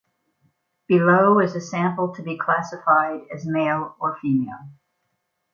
Below is a sample to be classified as male or female.